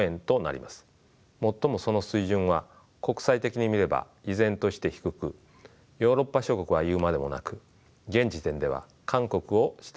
最もその水準は国際的に見れば依然として低くヨーロッパ諸国は言うまでもなく現時点では韓国を下回っています。